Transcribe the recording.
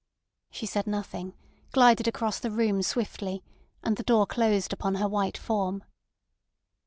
She said nothing, glided across the room swiftly, and the door closed upon her white form.